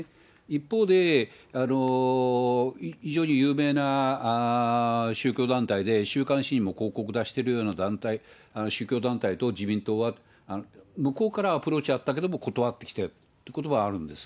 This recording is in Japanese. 一方で、非常に有名な宗教団体で週刊誌にも広告出しているような団体、宗教団体と自民党は向こうからアプローチあったけども断ってきてということはあるんです。